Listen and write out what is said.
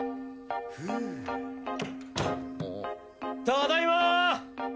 ただいまー！